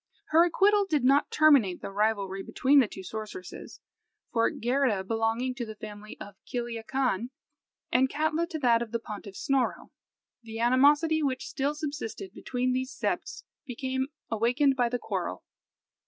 Her acquittal did not terminate the rivalry between the two sorceresses, for, Geirrida belonging to the family of Kiliakan, and Katla to that of the pontiff Snorro, the animosity which still subsisted between these septs became awakened by the quarrel.